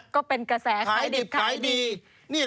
ก็เป็นกระแสขายดิบขายดี